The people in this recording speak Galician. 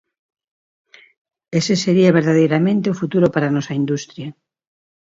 Ese sería verdadeiramente o futuro para a nosa industria.